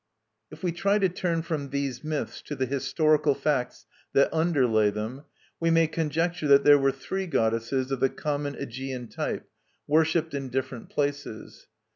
If we try to turn from these myths to the historical facts that underlay them, we may conjecture that there were three goddesses of the common Aegean type, worshipped in different places.